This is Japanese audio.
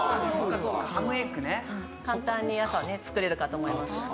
簡単に朝ね作れるかと思いますので。